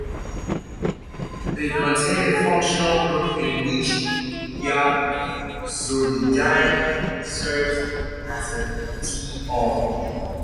They contain a functional group in which thiazolidine serves as a dione.